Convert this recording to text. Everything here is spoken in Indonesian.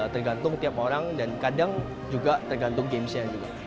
tergantung tiap orang dan kadang juga tergantung game nya